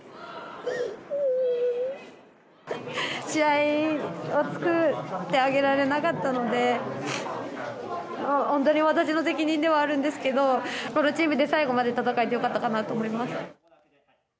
試合をつくってあげられなかったので本当に私の責任ではあるんですけどこのチームで最後まで戦えてよかったかなと思います。